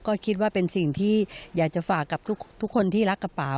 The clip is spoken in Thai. ก็คิดว่าเป็นสิ่งที่อยากจะฝากกับทุกคนที่รักกระเป๋า